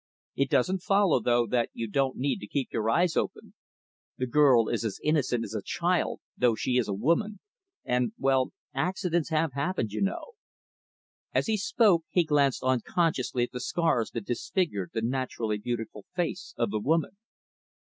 It doesn't follow, though, that you don't need to keep your eyes open. The girl is as innocent as a child though she is a woman and well accidents have happened, you know." As he spoke he glanced unconsciously at the scars that disfigured the naturally beautiful face of the woman.